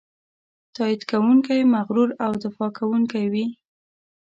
تاکید کوونکی، مغرور او دفاع کوونکی وي.